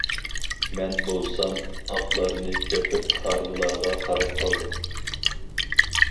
مەن بولسام ئاتلارنى بېقىپ، ھارۋىلارغا قاراپ قالدىم.